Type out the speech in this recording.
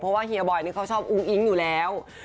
เพราะว่าเฮียบอยนี่เขาชอบอุ้งอิ๊งอยู่แล้ว